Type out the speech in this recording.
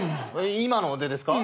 今のでですか？